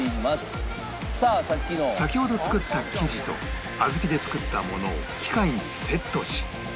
先ほど作った生地と小豆で作ったものを機械にセットし